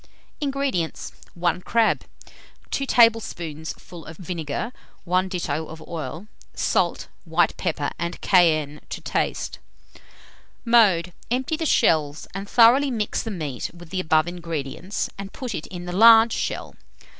INGREDIENTS. 1 crab, 2 tablespoonfuls of vinegar, 1 ditto of oil; salt, white pepper, and cayenne, to taste. Mode. Empty the shells, and thoroughly mix the meat with the above ingredients, and put it in the large shell.